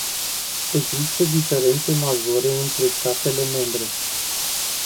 Există diferențe majore între statele membre.